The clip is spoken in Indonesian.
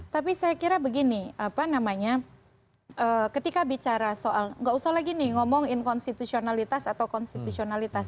tapi saya kira begini apa namanya ketika bicara soal nggak usah lagi nih ngomong inkonstitusionalitas atau konstitusionalitas